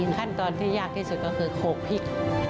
ขั้นตอนที่ยากที่สุดก็คือโขกพริก